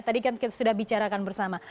tadi kan kita sudah bicarakan bersama